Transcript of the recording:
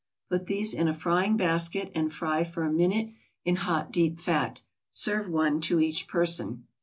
Put these in a frying basket and fry for a minute in hot, deep fat. Serve one to each person.